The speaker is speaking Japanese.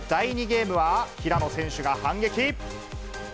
ゲームは、平野選手が反撃。